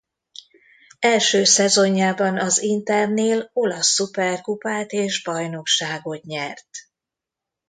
Első szezonjában az Internél olasz Szuperkupát és bajnokságot nyert.